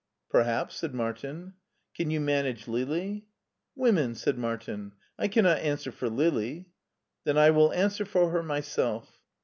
*' "Perhaps," said Martin. " Can you manage Lili ?" "Women!" said Martin. "I cannot answer for Lili.'' " Then I will answer for her myself."